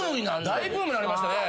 大ブームなりましたね。